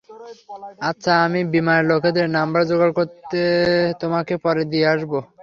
আচ্ছা, আমি বীমার লোকেদের নাম্বার জোগাড় করে তোমাকে পরে দিয়ে আসবো!